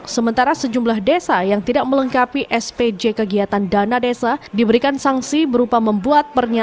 sementara sejumlah desa yang tidak melengkapi spj kegiatan dana desa diberikan sanksi berupa membuat pernyataan